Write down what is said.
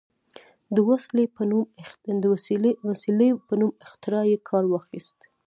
د وسلې په نوم اختراع یې کار واخیست.